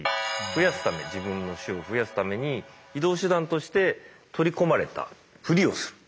増やすため自分の種を増やすために移動手段として取り込まれたフリをする。